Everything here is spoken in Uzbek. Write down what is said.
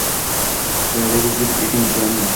Qoyadagi gul eding, jonim